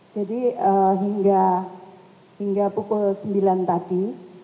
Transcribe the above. jadi hingga pukul sembilan tadi